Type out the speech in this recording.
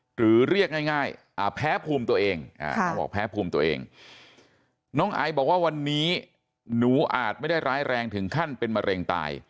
หรือเรียกง่ายแพ้ภูมิตัวเองบอกแพ้ภูมิตัวเองน้องไอบอกว่าวันนี้หนูอาจไม่ได้ร้ายแรงถึงขั้นเป็นมะเร็งตาย